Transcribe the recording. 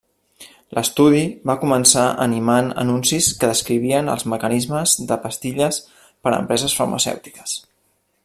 L'estudi va començar animant anuncis que descrivien els mecanismes de pastilles per empreses farmacèutiques.